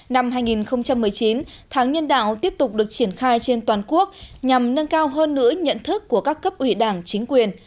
năm hai nghìn một mươi chín tháng nhân đạo tiếp tục được triển khai trên toàn quốc nhằm nâng cao hơn nữa nhận thức của các cấp ủy đảng chính quyền